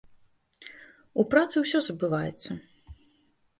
У працы ўсё забываецца.